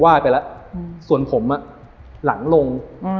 ไปแล้วส่วนผมหลังลง